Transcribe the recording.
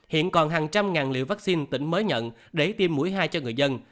hiện còn hàng trăm ngàn liều vaccine tỉnh mới nhận để tiêm mũi hai cho người dân